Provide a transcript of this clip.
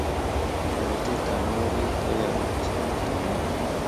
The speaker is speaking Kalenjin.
toretet tab bororiet koyae komostab komie